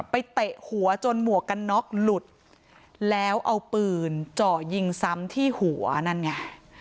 เตะหัวจนหมวกกันน็อกหลุดแล้วเอาปืนเจาะยิงซ้ำที่หัวนั่นไง